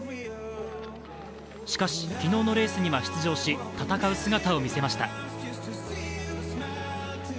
しかし、昨日のレースには出場し戦う姿を見せました。